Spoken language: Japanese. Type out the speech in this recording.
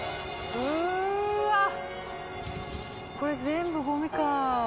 うーわ、これ全部ごみか。